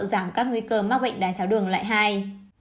giảm các nguy cơ mắc bệnh đài tháo đường loại hai